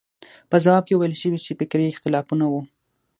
په ځواب کې ویل شوي چې فکري اختلافونه وو.